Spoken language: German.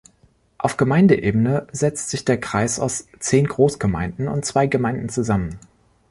Auf Gemeindeebene setzt sich der Kreis aus zehn Großgemeinden und zwei Gemeinden zusammen.